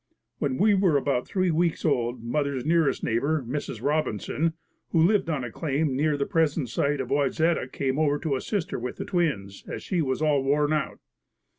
When we were about three weeks old mother's nearest neighbor, Mrs. Robinson, who lived on a claim near the present site of Wayzata, came over to assist her with the twins, as she was all worn out.